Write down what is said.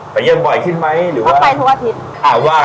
ไปเยินบ่อยขึ้นมั้ยหรือว่าอ้าว่า